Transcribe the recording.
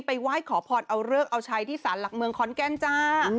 ไหว้ขอพรเอาเลิกเอาใช้ที่สารหลักเมืองคอนแกนจ้า